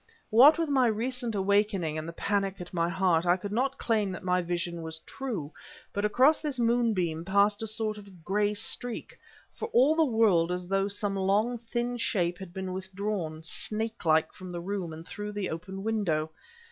What with my recent awakening and the panic at my heart, I could not claim that my vision was true; but across this moonbeam passed a sort of gray streak, for all the world as though some long thin shape had been withdrawn, snakelike, from the room, through the open window...